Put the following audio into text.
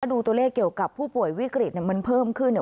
ดูตัวเลขเกี่ยวกับผู้ป่วยวิกฤตมันเพิ่มขึ้นเนี่ย